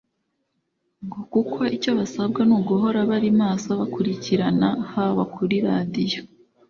ngo kuko icyo basabwa ni uguhora bari maso bakurikirana haba kuri radiyo